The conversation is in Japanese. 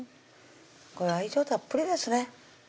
これ愛情たっぷりですね